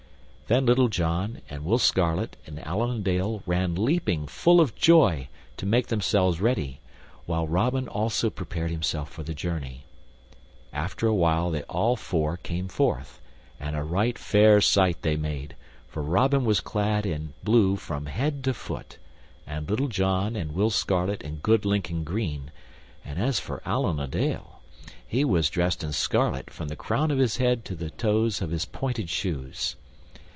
Then Little John and Will Scarlet and Allan a Dale ran leaping, full of joy, to make themselves ready, while Robin also prepared himself for the journey. After a while they all four came forth, and a right fair sight they made, for Robin was clad in blue from head to foot, and Little John and Will Scarlet in good Lincoln green, and as for Allan a Dale, he was dressed in scarlet from the crown of his head to the toes of his pointed shoes.